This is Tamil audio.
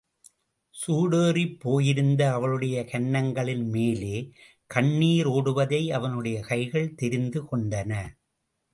சூடேறிப் போயிருந்த அவளுடைய கன்னங்களின் மேலே, கண்ணிர் ஓடுவதை அவனுடைய கைகள் தெரிந்து கொண்டன.